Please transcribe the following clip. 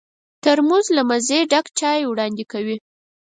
ترموز له مزې ډک چای وړاندې کوي.